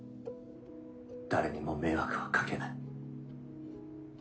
誰にも迷惑はかけない。